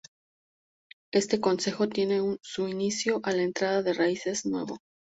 Este concejo tiene su inicio a la entrada de Raíces Nuevo.